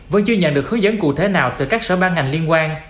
vẫn chưa nhận được hướng dẫn cụ thể nào từ các sở ban ngành liên quan